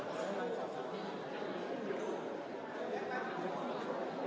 ขอบคุณครับ